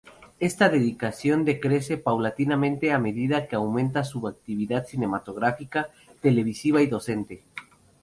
Esta dedicación decrece paulatinamente a medida que aumenta su actividad cinematográfica, televisiva y docente.